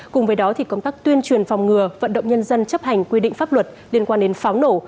cùng với đó công tác tuyên truyền phòng ngừa vận động nhân dân chấp hành quy định pháp luật liên quan đến pháo nổ